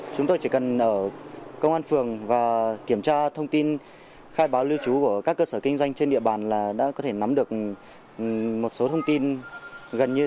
chúng tôi chỉ cần ở công an phường và kiểm tra thông tin khai báo lưu trú của các cơ sở kinh doanh trên địa bàn là đã có thể nắm được một số thông tin gần như